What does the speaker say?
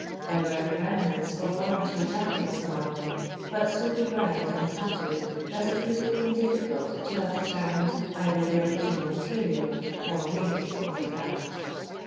There were the remnants of one or two jackets among them, but so begrimed and tattered that it would hare been difficult to have determined either the original ma terial or make of the garment.